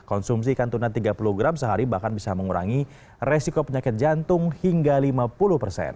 konsumsi ikan tuna tiga puluh gram sehari bahkan bisa mengurangi resiko penyakit jantung hingga lima puluh persen